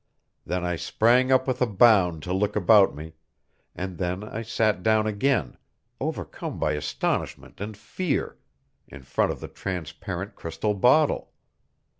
Then I sprang up with a bound to look about me, and then I sat down again, overcome by astonishment and fear, in front of the transparent crystal bottle!